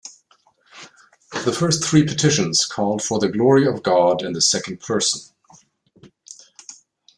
The first three petitions called for the glory of God in the second person.